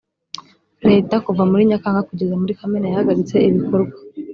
leta kuva muri nyakanga kugeza muri kamena yahagaritse ibikorwa